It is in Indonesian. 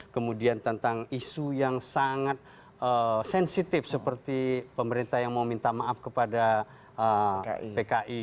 kemudian tentang isu yang sangat sensitif seperti pemerintah yang mau minta maaf kepada pki